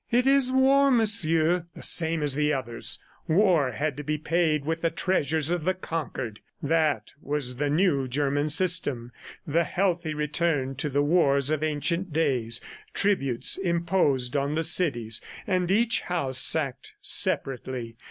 "It is war, monsieur. ..." The same as the others! ... War had to be paid with the treasures of the conquered. That was the new German system; the healthy return to the wars of ancient days; tributes imposed on the cities, and each house sacked separately.